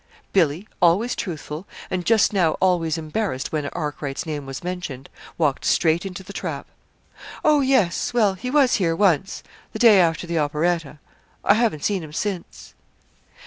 Billy, always truthful, and just now always embarrassed when Arkwright's name was mentioned, walked straight into the trap. "Oh, yes; well, he was here once the day after the operetta. I haven't seen him since."